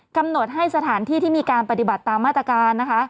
กำหนดให้สถานที่ที่มีการปฏิบัติตามมาตรการนะคะ